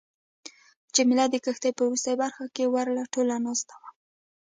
جميله د کښتۍ په وروستۍ برخه کې ورله ټوله ناسته وه.